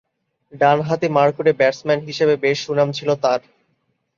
ডানহাতি মারকুটে ব্যাটসম্যান হিসেবে বেশ সুনাম ছিল তার।